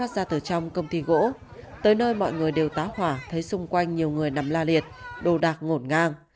ra từ trong công ty gỗ tới nơi mọi người đều tá hỏa thấy xung quanh nhiều người nằm la liệt đồ đạc ngổn ngang